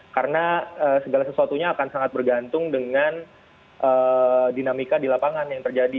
karena itu akan tidak banyak di